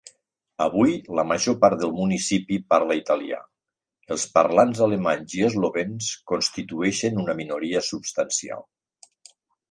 Avui la major part del municipi parla italià; els parlants alemanys i eslovens constitueixen una minoria substancial.